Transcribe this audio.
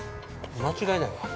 間違いないわ。